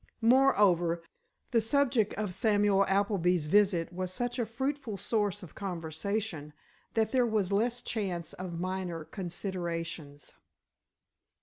Moreover, the subject of Samuel Appleby's visit was such a fruitful source of conversation that there was less chance of minor considerations.